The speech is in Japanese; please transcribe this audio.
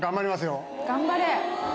頑張れ。